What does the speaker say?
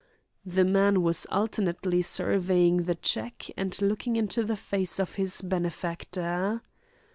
The man was alternately surveying the cheque and looking into the face of his benefactor.